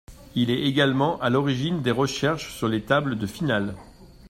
Il est également à l'origine des recherches sur les tables de finales.